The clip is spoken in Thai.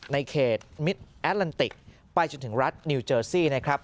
ในเขตมิตรแอดลันติกไปจนถึงรัฐนิวเจอร์ซี่นะครับ